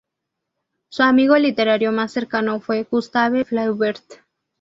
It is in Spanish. Su amigo literario más cercano fue Gustave Flaubert.